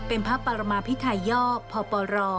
เป็นพระปรมาภิกายอมพรปร